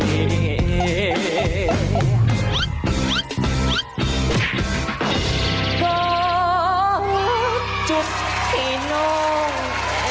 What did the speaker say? ก็รักจุดที่น้องเอง